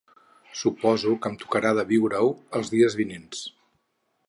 Suposo que em tocarà de viure-ho els dies vinents